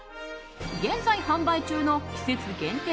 現在販売中の季節限定